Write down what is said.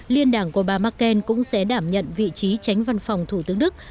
liên đảng của bà merkel cũng sẽ đảm nhận vị trí tránh văn phòng thủ tướng đức